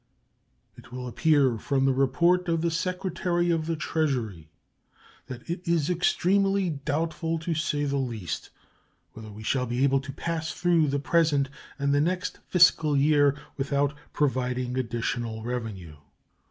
It will appear from the report of the Secretary of the Treasury that it is extremely doubtful, to say the least, whether we shall be able to pass through the present and the next fiscal year without providing additional revenue.